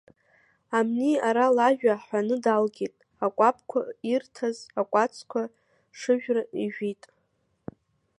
Амни ара лажәа ҳәаны даалгеит, ақәабқәа ирҭаз акәацқәа шыжәра ижәит.